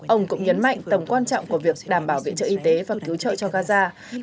ông cũng nhấn mạnh tầm quan trọng của việc đảm bảo viện trợ y tế và cứu trợ cho gaza